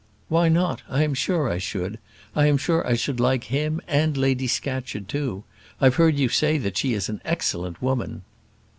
"Why not? I am sure I should; I am sure I should like him, and Lady Scatcherd, too. I've heard you say that she is an excellent woman."